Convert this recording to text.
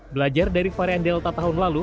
belajar dari varian delta tahun lalu